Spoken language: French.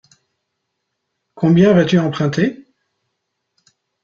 Combien vas-tu emprunter?